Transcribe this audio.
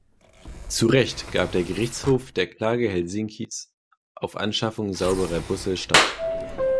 Zu Recht gab der Gerichtshof der Klage Helsinkis auf Anschaffung sauberer Busse statt.